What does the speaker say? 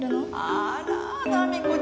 あら菜実子ちゃん。